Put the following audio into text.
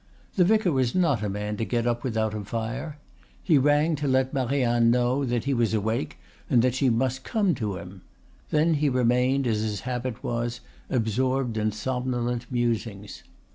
The vicar was not a man to get up without a fire. He rang to let Marianne know that he was awake and that she must come to him; then he remained, as his habit was, absorbed in somnolent musings.